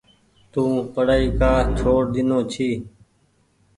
تو پڙآئي ڪآ ڇوڙ ۮينو ڇي۔